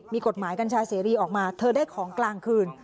มีกฎหมายกัญชาเสรีออกมาเธอได้ของกลางคืน